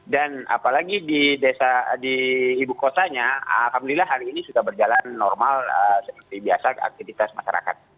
dan apalagi di desa di ibu kosanya alhamdulillah hari ini sudah berjalan normal seperti biasa aktivitas masyarakat